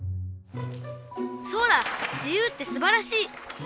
そうだ自由ってすばらしい！